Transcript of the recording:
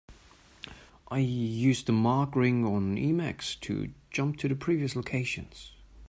I use the mark ring in Emacs to jump to previous locations.